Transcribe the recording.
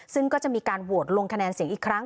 ซึ่งก็จะมีการโหวตลงคะแนนเสียงอีกครั้ง